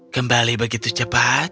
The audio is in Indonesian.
kembali begitu cepat